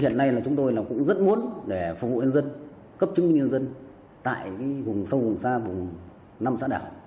hiện nay là chúng tôi cũng rất muốn để phục vụ nhân dân cấp chứng minh nhân dân tại vùng sâu vùng xa vùng năm xã đảo